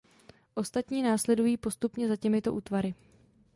Ostatní následují postupně za těmito útvary.